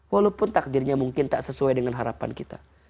walaupun takdirnya mungkin tak sesuai dengan harapan kita